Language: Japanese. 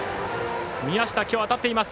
宮下、今日当たっています。